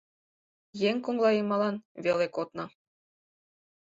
Еҥ коҥлайымалан веле кодна.